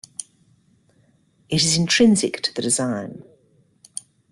It is intrinsic to the design.